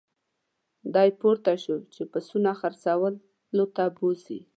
دی پورته شو چې پسونه څرولو ته بوزي.